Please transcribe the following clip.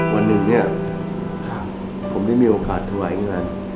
วันหนึ่งเนี่ยผมได้มีโอกาสถวายงาน